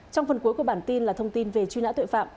trong phần cuối của bản tin là thông tin về chuyên lã tội phạm